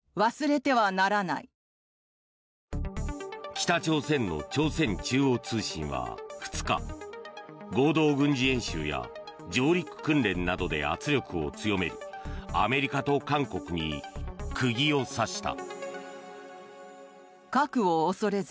北朝鮮の朝鮮中央通信は２日合同軍事演習や上陸訓練などで圧力を強めるアメリカと韓国に釘を刺した。